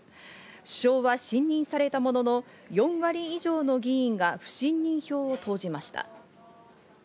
首相は信任されたものの、４割以上の議員が不信任票を投じました。